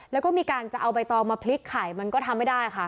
แล้วก็มีการจะเอาใบตองมาพลิกไข่มันก็ทำไม่ได้ค่ะ